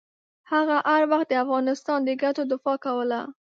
هغه هر وخت د افغانستان د ګټو دفاع کوله.